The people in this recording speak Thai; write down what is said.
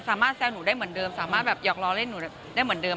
แซวหนูได้เหมือนเดิมสามารถแบบหยอกล้อเล่นหนูได้เหมือนเดิม